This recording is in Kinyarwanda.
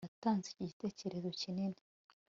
Natanze iki gitekerezo kinini